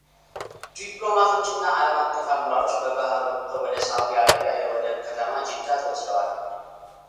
ዲፕሎማቶች እና ዓለም አቀፍ አመራሮች በባሕር ወጥተው ወደ ሳዑዲ አረቢያ የወደብ ከተማ ጅዳ ተወስደዋል።